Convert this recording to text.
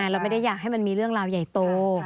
เราไม่ได้อยากให้มันมีเรื่องราวใหญ่โต